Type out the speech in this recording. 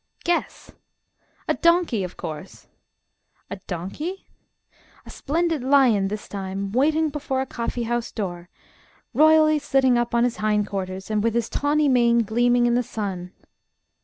Guess! "A donkey, of course!" A donkey? A splendid lion this time, waiting before a coffee house door, royally sitting up on his hind quarters, with his tawny mane gleaming in the sun.